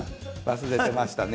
忘れてましたね。